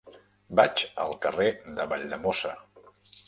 Vaig al carrer de Valldemossa.